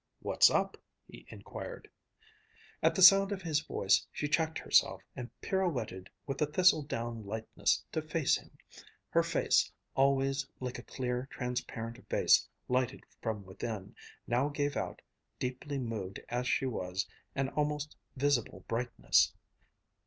"What's up?" he inquired. At the sound of his voice, she checked herself and pirouetted with a thistle down lightness to face him. Her face, always like a clear, transparent vase lighted from within, now gave out, deeply moved as she was, an almost visible brightness.